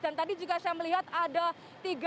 dan tadi juga saya melihat ada tiga orang